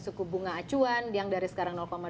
suku bunga acuan yang dari sekarang